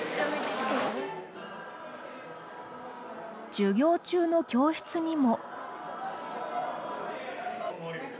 授業中の教室にも。